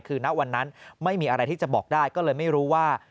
คือณวันนั้นไม่มีอะไรที่จะบอกได้ก็เลยไม่รู้ว่า